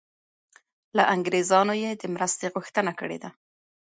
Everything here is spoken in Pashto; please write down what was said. له انګریزانو یې د مرستې غوښتنه کړې ده.